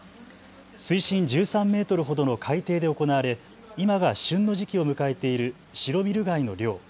水深１３メートルほどの海底で行われ今が旬の時期を迎えている白ミル貝の漁。